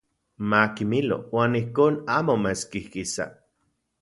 Makimilo uan ijkon amo maeskijkisa.